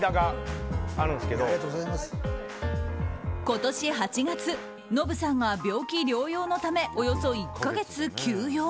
今年８月、ノブさんが病気療養のためおよそ１か月休養。